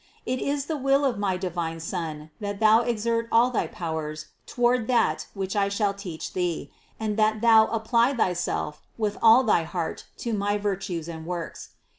It is the will of my divine Son, that thou exert all thy powers toward that which I shall teach thee, and that thou apply thy self with all thy heart to my virtues and works.